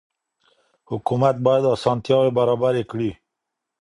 حکومت بايد اسانتياوي برابري کړي.